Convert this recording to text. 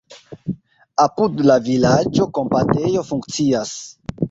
Apud la vilaĝo kampadejo funkcias.